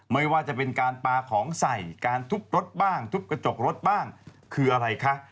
ไม่ว่าจะเป็นการปลาของใส่การทุบรถบ้างทุบกระจกรถบ้างคืออะไรคะ